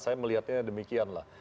saya melihatnya demikian lah